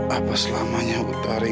apa selamanya utari